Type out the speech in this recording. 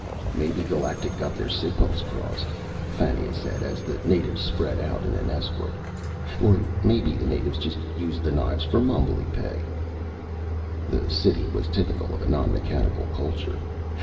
"Maybe Galactic got their signals crossed," Fannia said, as the natives spread out in an escort. "Or maybe the natives just use the knives for mumblypeg." The city was typical of a non mechanical culture.